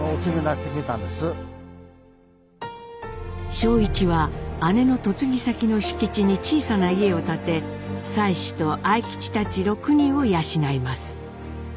正一は姉の嫁ぎ先の敷地に小さな家を建て妻子と愛吉たち６人を養います。